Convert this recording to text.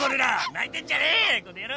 泣いてんじゃねえこの野郎